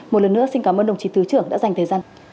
một lần nữa xin cảm ơn đồng chí thứ trưởng đã dành thời gian